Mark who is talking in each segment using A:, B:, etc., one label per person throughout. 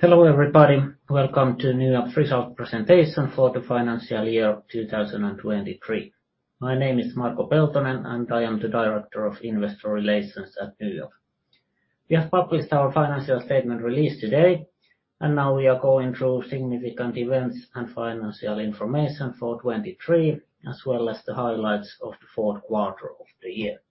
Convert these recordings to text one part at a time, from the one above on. A: Hello, everybody. Welcome to NYAB Result Presentation for the Financial Year of 2023. My name is Marko Peltonen, and I am the Director of Investor Relations at NYAB. We have published our financial statement release today, and now we are going through significant events and financial information for 2023, as well as the highlights of the fourth quarter of the year.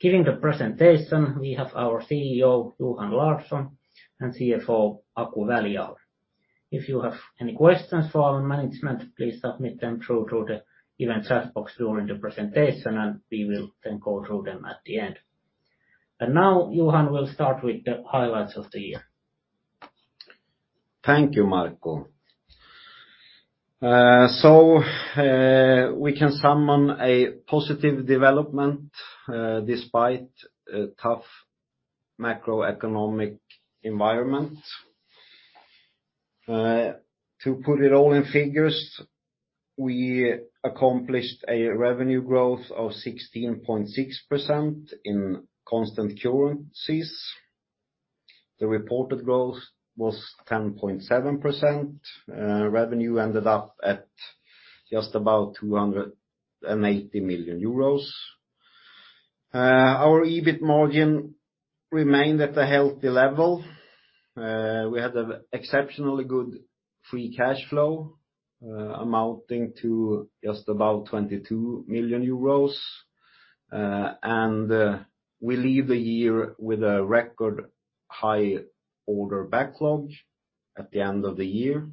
A: Giving the presentation, we have our CEO, Johan Larsson, and CFO, Aku Väliaho. If you have any questions for our management, please submit them through to the event chat box during the presentation, and we will then go through them at the end. Now, Johan will start with the highlights of the year.
B: Thank you, Marko. So, we can summon a positive development, despite a tough macroeconomic environment. To put it all in figures, we accomplished a revenue growth of 16.6% in constant currencies. The reported growth was 10.7%. Revenue ended up at just about 280 million euros. Our EBIT margin remained at a healthy level. We had an exceptionally good free cash flow, amounting to just about 22 million euros. And, we leave the year with a record high order backlog at the end of the year.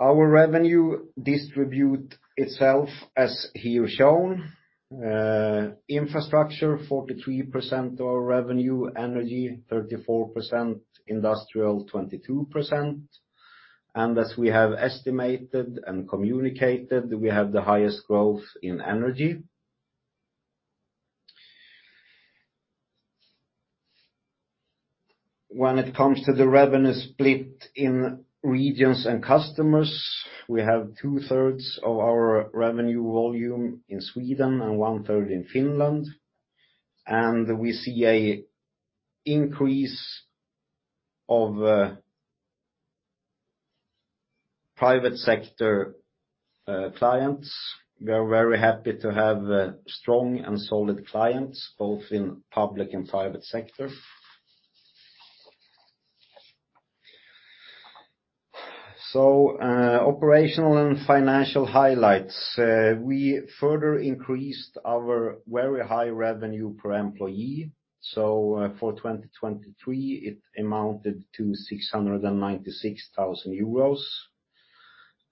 B: Our revenue distribute itself, as here shown, infrastructure, 43% of revenue, energy, 34%, industrial, 22%. And as we have estimated and communicated, we have the highest growth in energy. When it comes to the revenue split in regions and customers, we have two-thirds of our revenue volume in Sweden and one-third in Finland, and we see an increase of private sector clients. We are very happy to have strong and solid clients, both in public and private sector. So, operational and financial highlights. We further increased our very high revenue per employee, so for 2023, it amounted to 696 thousand euros.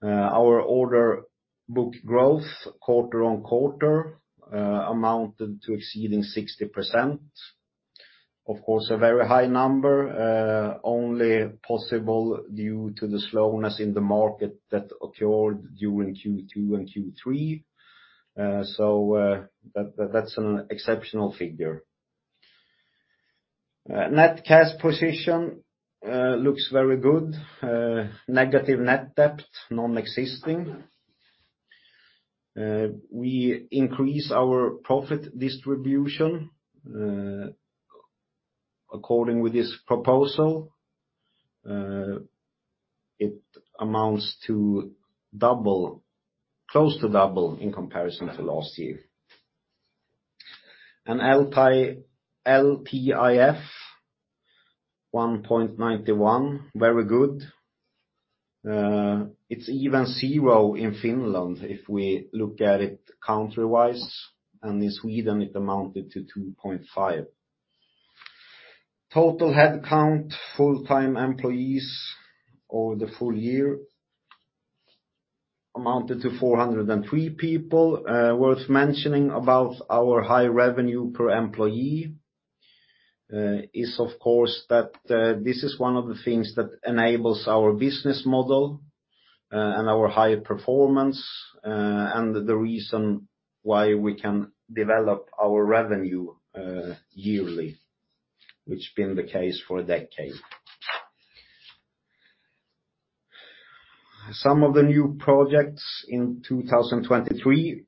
B: Our order book growth, quarter-over-quarter, amounted to exceeding 60%. Of course, a very high number, only possible due to the slowness in the market that occurred during Q2 and Q3. So, that, that's an exceptional figure. Net cash position looks very good. Negative net debt, non-existing. We increase our profit distribution, according to this proposal, it amounts to double—close to double in comparison to last year. LTIF 1.91, very good. It's even 0 in Finland, if we look at it country-wise, and in Sweden, it amounted to 2.5. Total headcount, full-time employees over the full year, amounted to 403 people. Worth mentioning about our high revenue per employee is, of course, that this is one of the things that enables our business model and our high performance, and the reason why we can develop our revenue yearly, which been the case for a decade. Some of the new projects in 2023,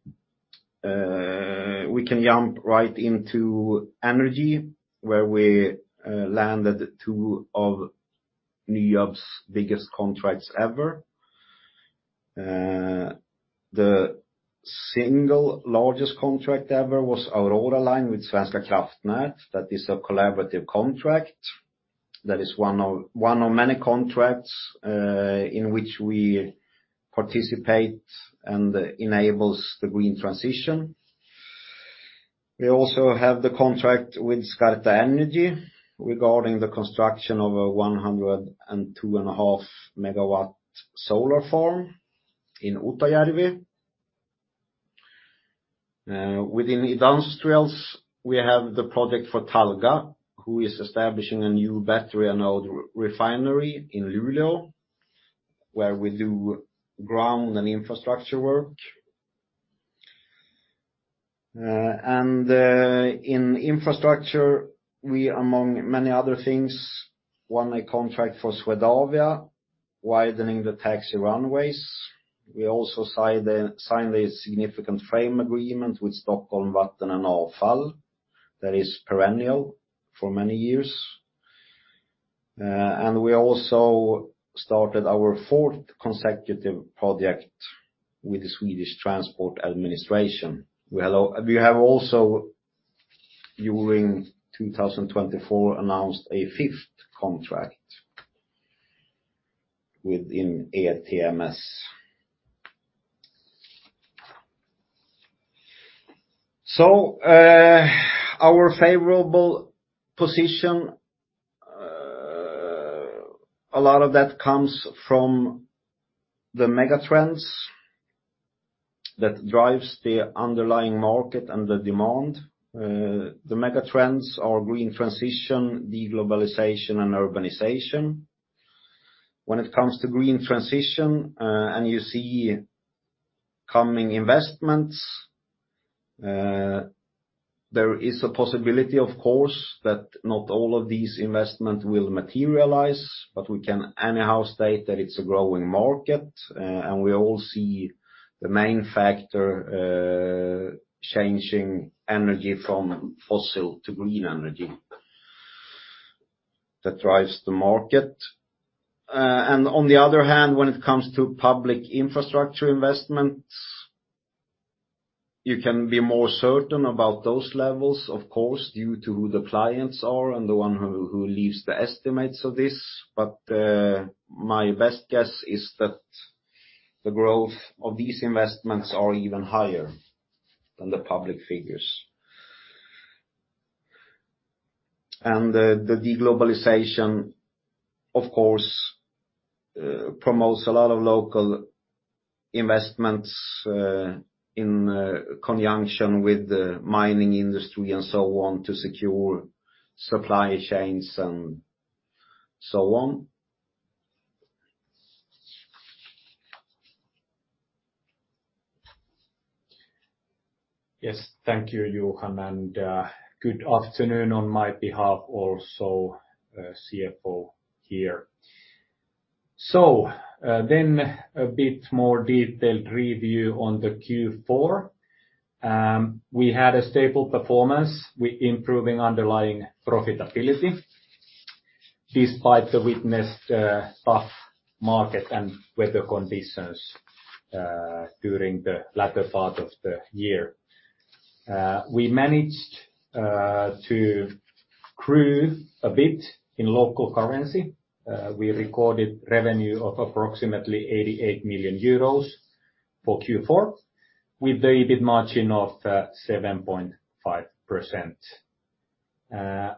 B: we can jump right into energy, where we landed two of NYAB's biggest contracts ever. The single largest contract ever was our Aurora Line with Svenska kraftnät. That is a collaborative contract. That is one of, one of many contracts, in which we participate and enables the green transition. We also have the contract with Skarta Energy, regarding the construction of a 102.5 MW solar farm in Utajärvi. Within industrials, we have the project for Talga, who is establishing a new battery anode refinery in Luleå, where we do ground and infrastructure work. And, in infrastructure, we, among many other things, won a contract for Swedavia widening the taxi runways. We also signed a, signed a significant frame agreement with Stockholm Vatten och Avfall that is perennial for many years. And we also started our fourth consecutive project with the Swedish Transport Administration. We have also, during 2024, announced a fifth contract within ATMS. So, our favorable position, a lot of that comes from the mega trends that drives the underlying market and the demand. The mega trends are green transition, deglobalization, and urbanization. When it comes to green transition, and you see coming investments, there is a possibility, of course, that not all of these investment will materialize, but we can anyhow state that it's a growing market. And we all see the main factor, changing energy from fossil to green energy. That drives the market. And on the other hand, when it comes to public infrastructure investments, you can be more certain about those levels, of course, due to who the clients are and the one who leaves the estimates of this. But, my best guess is that the growth of these investments are even higher than the public figures. And the deglobalization, of course, promotes a lot of local investments, in conjunction with the mining industry and so on, to secure supply chains and so on.
C: Yes, thank you, Johan, and good afternoon on my behalf, also, CFO here. So, then a bit more detailed review on the Q4. We had a stable performance with improving underlying profitability, despite the witnessed tough market and weather conditions during the latter part of the year. We managed to grew a bit in local currency. We recorded revenue of approximately 88 million euros for Q4, with the EBIT margin of 7.5%.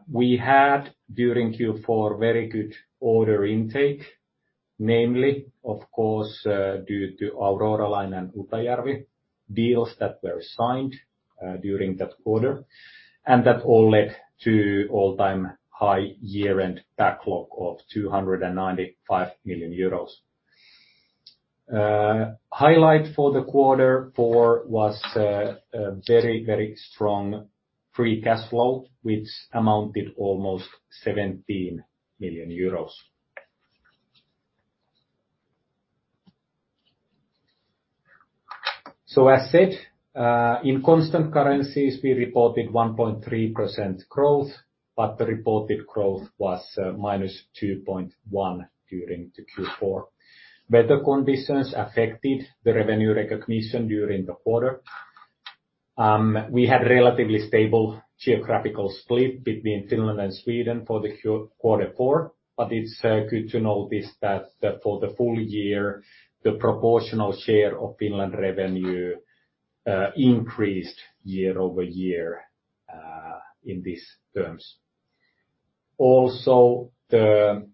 C: We had, during Q4, very good order intake, namely, of course, due to Aurora Line and Utajärvi deals that were signed during that quarter. And that all led to all-time high year-end backlog of EUR 295 million. Highlight for the quarter four was a very, very strong free cash flow, which amounted almost EUR 17 million. As said, in constant currencies, we reported 1.3% growth, but the reported growth was -2.1% during the Q4. Weather conditions affected the revenue recognition during the quarter. We had relatively stable geographical split between Finland and Sweden for the quarter four, but it's good to notice that for the full year, the proportional share of Finland revenue increased year-over-year in these terms. Also, the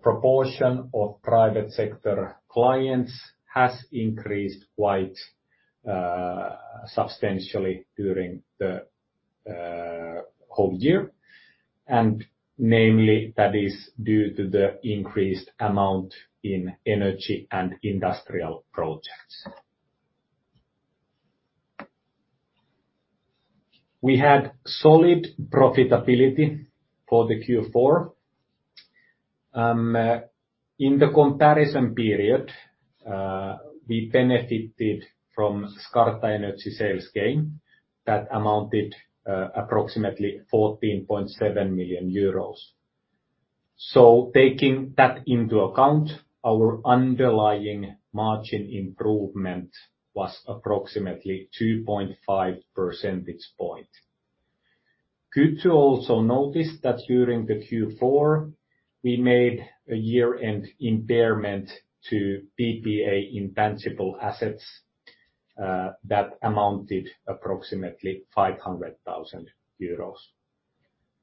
C: proportion of private sector clients has increased quite substantially during the whole year, and namely, that is due to the increased amount in energy and industrial projects. We had solid profitability for the Q4. In the comparison period, we benefited from Skarta Energy sales gain that amounted approximately 14.7 million euros. So taking that into account, our underlying margin improvement was approximately 2.5 percentage point. Good to also notice that during the Q4, we made a year-end impairment to PPA intangible assets, that amounted approximately 500,000 euros.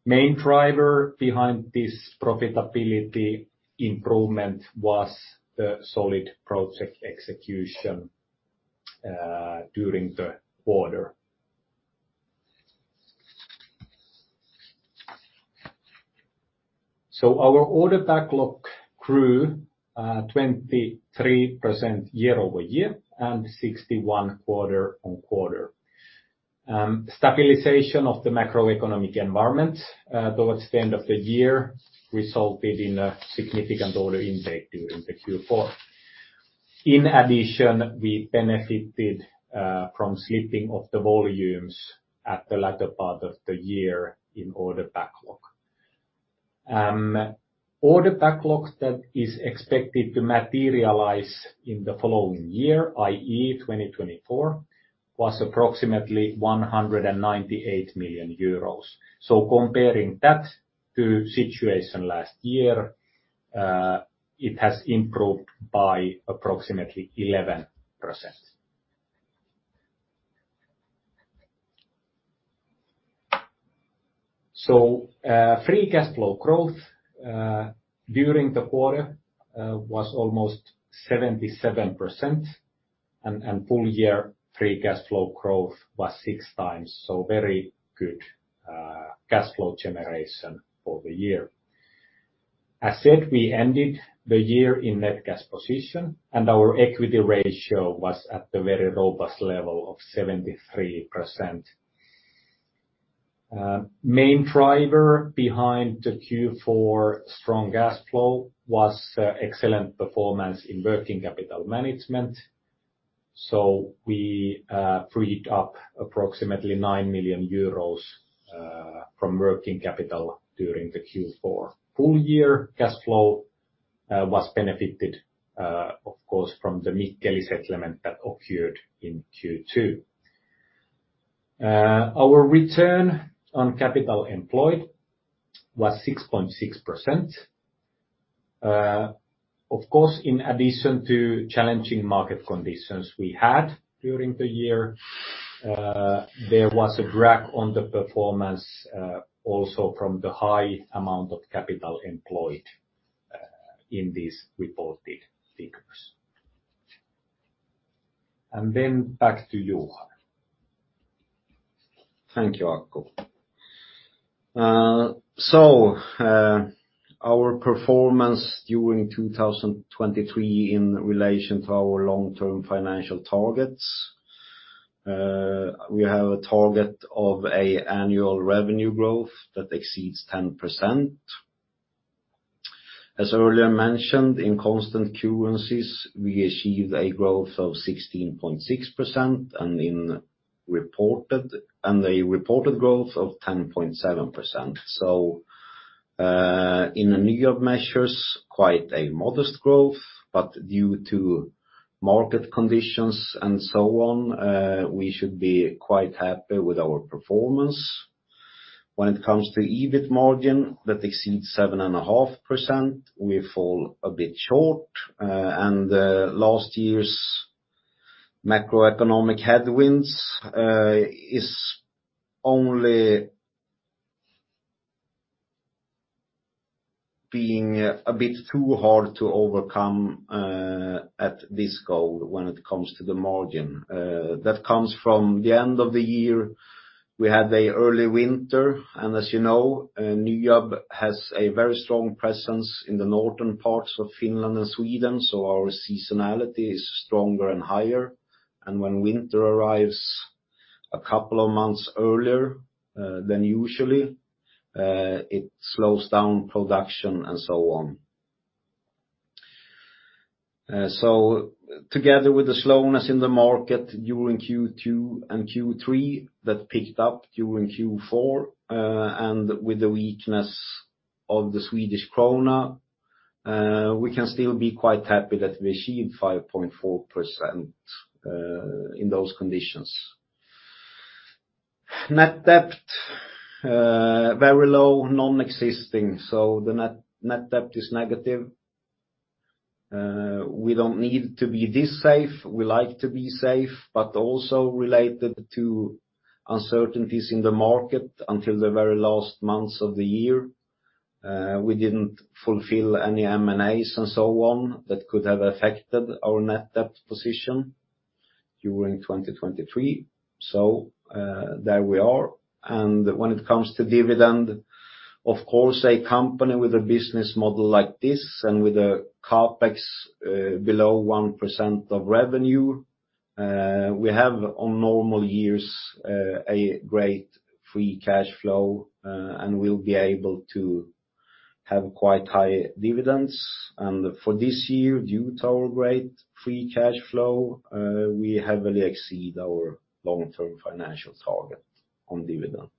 C: Main driver behind this profitability improvement was the solid project execution, during the quarter. So our order backlog grew, 23% year-over-year, and 61 quarter-on-quarter. Stabilization of the macroeconomic environment, towards the end of the year, resulted in a significant order intake during the Q4. In addition, we benefited, from slipping of the volumes at the latter part of the year in order backlog. Order backlog that is expected to materialize in the following year, i.e., 2024, was approximately 198 million euros. So comparing that to situation last year, it has improved by approximately 11%. So, free cash flow growth during the quarter was almost 77%, and full year free cash flow growth was 6x. So very good cash flow generation for the year. As said, we ended the year in net cash position, and our equity ratio was at the very robust level of 73%. Main driver behind the Q4 strong cash flow was excellent performance in working capital management. So we freed up approximately 9 million euros from working capital during the Q4. Full year cash flow was benefited, of course, from the Mikkeli settlement that occurred in Q2. Our return on capital employed was 6.6%. Of course, in addition to challenging market conditions we had during the year, there was a drag on the performance, also from the high amount of capital employed, in these reported figures. And then back to you, Johan.
B: Thank you, Aku. So, our performance during 2023 in relation to our long-term financial targets, we have a target of a annual revenue growth that exceeds 10%. As earlier mentioned, in constant currencies, we achieved a growth of 16.6%, and a reported growth of 10.7%. So, in NYAB measures, quite a modest growth, but due to market conditions and so on, we should be quite happy with our performance. When it comes to EBIT margin that exceeds 7.5%, we fall a bit short. Last year's macroeconomic headwinds is only being a bit too hard to overcome at this goal when it comes to the margin. That comes from the end of the year, we had a early winter, and as you know, NYAB has a very strong presence in the northern parts of Finland and Sweden, so our seasonality is stronger and higher. And when winter arrives a couple of months earlier than usually, it slows down production and so on. So together with the slowness in the market during Q2 and Q3, that picked up during Q4, and with the weakness of the Swedish krona, we can still be quite happy that we achieved 5.4% in those conditions. Net debt, very low, non-existing, so the net debt is negative. We don't need to be this safe, we like to be safe, but also related to uncertainties in the market until the very last months of the year, we didn't fulfill any M&As and so on, that could have affected our net debt position during 2023. So, there we are. And when it comes to dividend, of course, a company with a business model like this and with a CapEx below 1% of revenue, we have on normal years a great free cash flow, and we'll be able to have quite high dividends. And for this year, due to our great free cash flow, we heavily exceed our long-term financial target on dividend.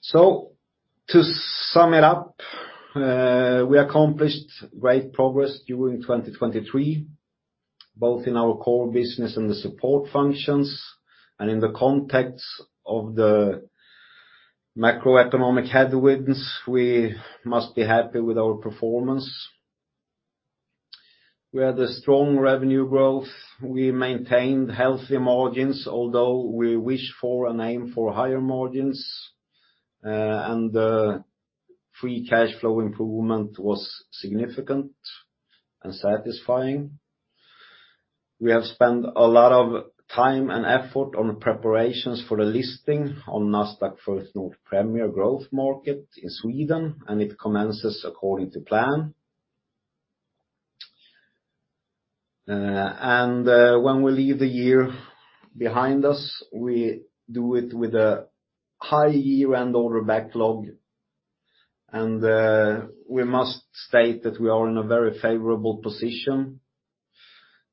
B: So to sum it up, we accomplished great progress during 2023, both in our core business and the support functions. In the context of the macroeconomic headwinds, we must be happy with our performance. We had a strong revenue growth, we maintained healthy margins, although we wish for and aim for higher margins, and the free cash flow improvement was significant and satisfying. We have spent a lot of time and effort on preparations for the listing on Nasdaq First North Premier Growth Market in Sweden, and it commences according to plan. And, when we leave the year behind us, we do it with a high year-end order backlog, and, we must state that we are in a very favorable position.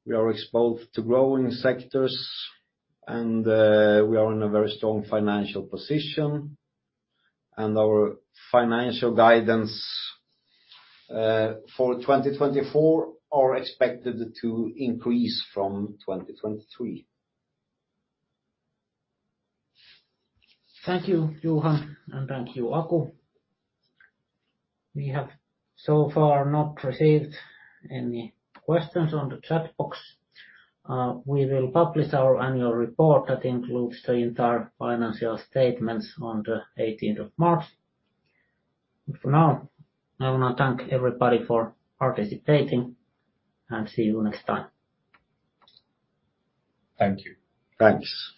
B: We are exposed to growing sectors, and, we are in a very strong financial position, and our financial guidance, for 2024 are expected to increase from 2023.
A: Thank you, Johan, and thank you, Aku. We have so far not received any questions on the chat box. We will publish our annual report that includes the entire financial statements on the eighteenth of March. But for now, I wanna thank everybody for participating, and see you next time.
B: Thank you.
C: Thanks.